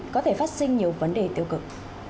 có thể phát sinh nhiều vấn đề tiêu cực